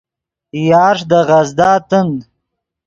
یارݰ دے غزدا تند